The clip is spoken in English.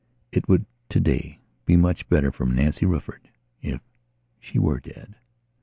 It would today be much better for Nancy Rufford if she were dead.